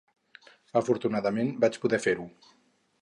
Afortunadament, vaig poder fer-ho.